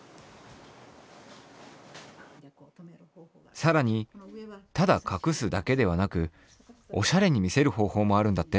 さらにただ隠すだけではなくおしゃれに見せるほうほうもあるんだって。